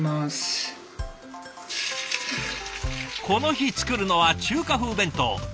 この日作るのは中華風弁当。